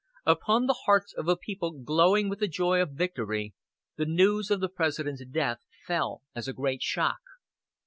Upon the hearts of a people glowing with the joy of victory the news of the President's death fell as a great shock.